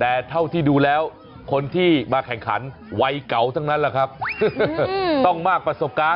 แต่เท่าที่ดูแล้วคนที่มาแข่งขันวัยเก่าทั้งนั้นแหละครับต้องมากประสบการณ์